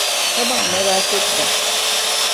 Tamam, merak etme.